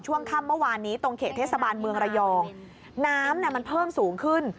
ช่วงค่ำเมื่อวานนี้ตรงเขตเทศบาลเมืองระยองน้ำมันเพิ่มสูงขึ้น